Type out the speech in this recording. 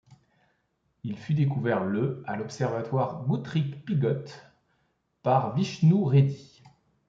Il fut découvert le à l'observatoire Goodricke-Pigott par Vishnu Reddy.